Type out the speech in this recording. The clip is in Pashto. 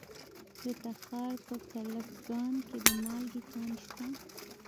د تخار په کلفګان کې د مالګې کان شته.